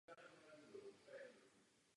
Jeho hlas je hluboký.